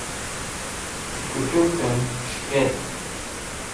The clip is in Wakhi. kutuk'em shiket